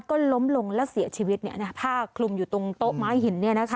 ก็ล้มลงแล้วเสียชีวิตผ้าคลุมอยู่ตรงโต๊ะไม้หิน